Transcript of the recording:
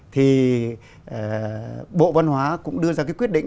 thì bộ văn hóa cũng đưa ra cái quyết định